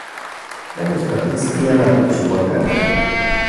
¿Tlen mitspaktiskia matikchiuakan?